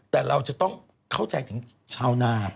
แต่เราจะต้องเข้าใจถึงชาวนา